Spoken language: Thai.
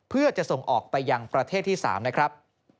เพื่อจะส่งออกไปยังประเทศที่๓นะครับ